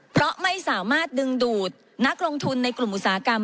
เพราะไม่สามารถดึงดูดนักลงทุนในกลุ่มอุตสาหกรรม